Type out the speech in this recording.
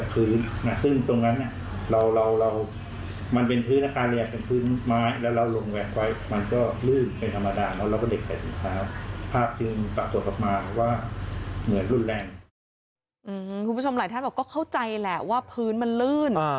คุณผู้ชมหลายท่านบอกก็เข้าใจแหละว่าพื้นมันลื่น